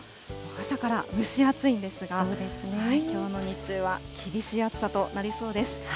朝から蒸し暑いんですが、きょうの日中は厳しい暑さとなりそうです。